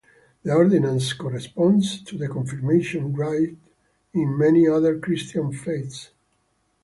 The ordinance corresponds to the confirmation rite in many other Christian faiths.